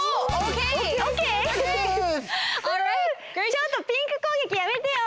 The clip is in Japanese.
ちょっとピンクこうげきやめてよ！